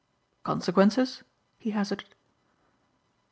"Consequences?" he hazarded.